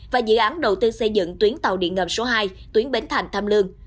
và dự án đầu tư xây dựng tuyến tàu điện ngầm số hai tuyến bến thành tham lương